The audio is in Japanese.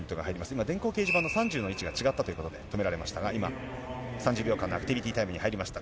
今、電光掲示板の３０の位置が違ったということで、止められましたが、今、３０秒間のアクティビティタイムに入りました。